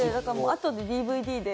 あとでＤＶＤで。